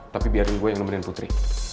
tapi biarin gue yang nemenin putri